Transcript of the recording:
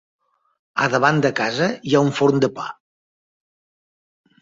A davant de casa hi ha un forn de pa.